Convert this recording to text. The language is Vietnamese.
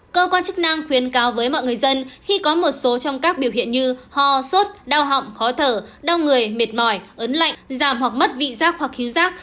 cơ quan chức năng khuyên cáo với mọi người dân khi có một số trong các biểu hiện như ho sốt đau họng khó thở đau người mệt mỏi ấn lạnh giảm hoặc mất vị giác hoặc khiếu giác